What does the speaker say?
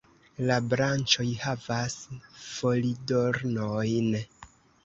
La branĉoj havas folidornojn.